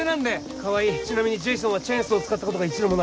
川合ちなみにジェイソンはチェーンソー使ったことが一度もない。